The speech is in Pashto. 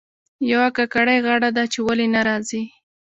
یوه کاکړۍ غاړه ده چې ولې نه راځي.